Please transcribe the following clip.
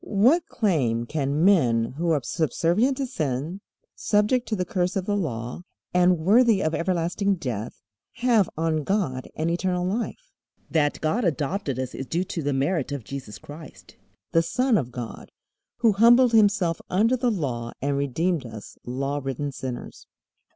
What claim can men who are subservient to sin, subject to the curse of the Law, and worthy of everlasting death, have on God and eternal life? That God adopted us is due to the merit of Jesus Christ, the Son of God, who humbled Himself under the Law and redeemed us law ridden sinners.